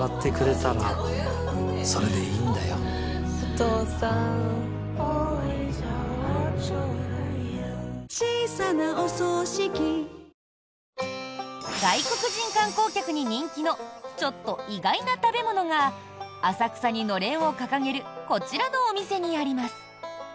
東京海上日動外国人観光客に人気のちょっと意外な食べ物が浅草にのれんを掲げるこちらのお店にあります。